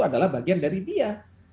adalah bagian dari dia